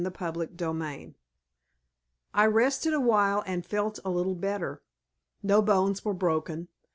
CHAPTER III I rested awhile and felt a little better. No bones were broken.